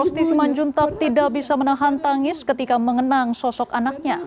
rosti simanjuntak tidak bisa menahan tangis ketika mengenang sosok anaknya